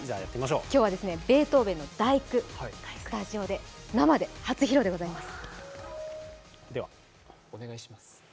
今日はベートーベンの「第九」スタジオで生で初披露でございます。